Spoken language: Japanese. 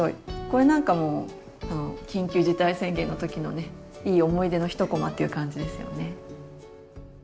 これなんかも多分緊急事態宣言の時のねいい思い出の一こまっていう感じですよね。